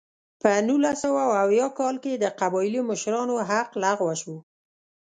په نولس سوه اویا کال کې د قبایلي مشرانو حق لغوه شو.